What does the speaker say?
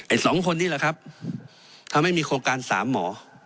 สองคนนี้แหละครับทำให้มีโครงการสามหมอ